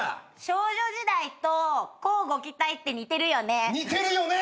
「少女時代」と「乞うご期待」って似てるよね。